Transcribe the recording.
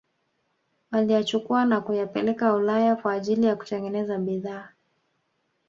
waliyachukua na kuyapeleka Ulaya kwa ajili ya kutengeneza bidhaa